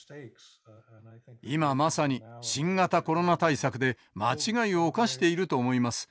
今まさに新型コロナ対策で間違いを犯していると思います。